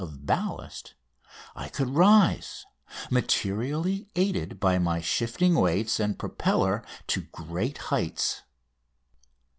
of ballast, I could rise, materially aided by my shifting weights and propeller, to great heights.